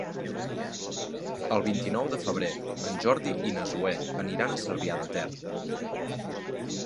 El vint-i-nou de febrer en Jordi i na Zoè aniran a Cervià de Ter.